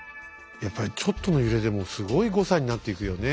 やっぱりちょっとの揺れでもすごい誤差になっていくよね。